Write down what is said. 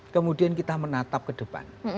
kemudian kita menatap ke depan